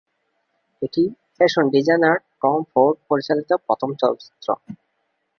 এটি fashion designer Tom Ford পরিচালিত প্রথম চলচ্চিত্র।